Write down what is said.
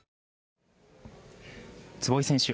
壷井選手